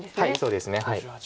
そうですね。